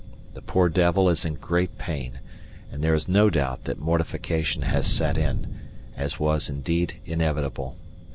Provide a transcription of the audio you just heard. The poor devil is in great pain, and there is no doubt that mortification has set in, as was indeed inevitable.